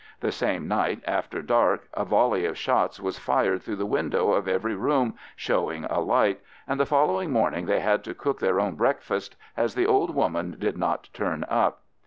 The same night, after dark, a volley of shots was fired through the window of every room showing a light, and the following morning they had to cook their own breakfast, as the old woman did not turn up.